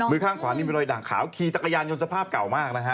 ข้างขวานี่มีรอยด่างขาวขี่จักรยานยนต์สภาพเก่ามากนะฮะ